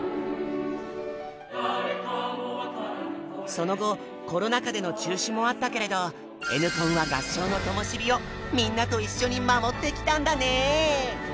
その後コロナ禍での中止もあったけれどＮコンは合唱のともし火をみんなと一緒に守ってきたんだね。